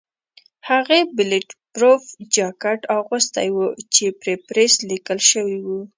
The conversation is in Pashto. هغې بلېټ پروف جاکټ اغوستی و چې پرې پریس لیکل شوي وو.